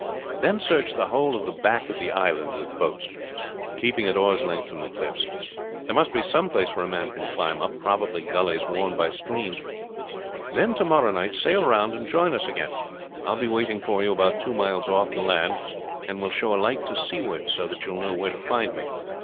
"Then search the whole of the back of the island with boats, keeping at oar's length from the cliffs. There must be some places where a man can climb up, probably gulleys worn by streams. Then to morrow night sail round and join us again. I will be waiting for you about two miles off the land, and will show a light to seaward so that you will know where to find me.